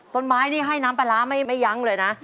ต้นไม้นี่ให้น้ำปลาร้าไม่ยั้งเลยนะ